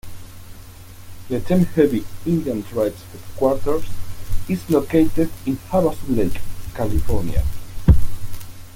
The Chemehuevi Indian Tribe's headquarters is located in Havasu Lake, California.